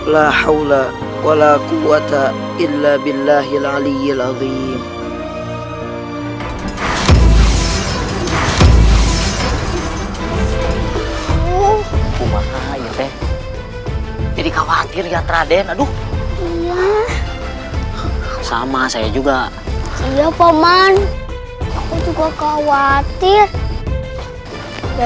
tidak ada kekuatan atau kuatnya